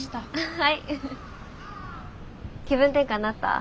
はい。